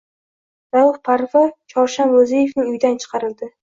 Rauf Parfiy Chorsham Ro’ziyevning uyidan chiqarildi.